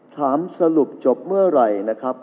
ถามสรุปจบเมื่อไหร่นะครับ